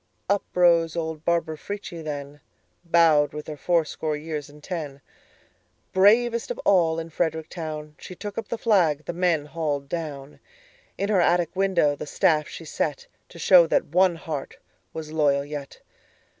Up rose old Barbara Frietchie then, Bowed with her fourscore years and ten; Bravest of all in Frederick town, She took up the flag the men hauled down; In her attic window the staff she set, To show that one heart was loyal yet.